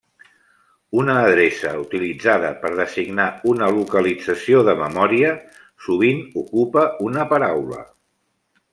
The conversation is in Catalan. Una adreça utilitzada per designar una localització de memòria sovint ocupa una paraula.